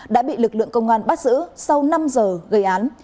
đã bị lực lượng công an bắt giữ sau năm giờ gây án